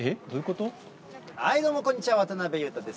はいどうもこんにちは、渡辺裕太です。